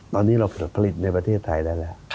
ตอนนี้เราเปิดผลิตในประเทศไทยได้แล้ว